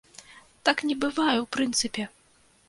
Так не бывае ў прынцыпе.